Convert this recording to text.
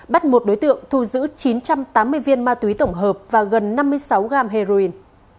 bắt một đối tượng thu giữ chín trăm tám mươi viên ma túy tổng hợp và gần năm mươi sáu g heroin